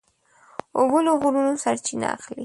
اوبه له غرونو سرچینه اخلي.